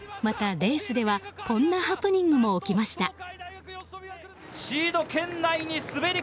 またレースではこんなハプニングも起きました。